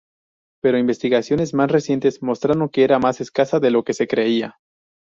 Pero investigaciones más recientes mostraron que era más escasa de lo que se creía.